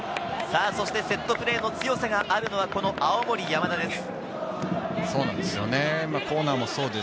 セットプレーの強さがあるのは青森山田です。